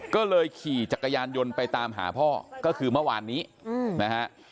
ก็เลยขี่จักรยานยนต์ไปตามหาพ่อก็คือเมื่อวานนี้นะฮะ